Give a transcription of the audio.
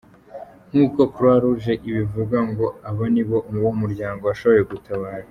Nk’uko Croix rouge ibivuga ngo abo nibo uwo muryango washoboye gutabara.